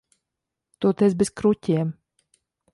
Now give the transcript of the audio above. Toties bez kruķiem.